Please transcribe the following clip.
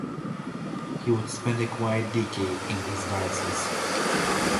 He would spend a quiet decade in his diocese.